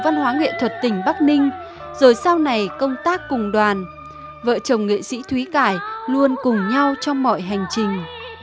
vợ chồng nghệ sĩ thúy cải luôn cùng nhau trong mọi hành trình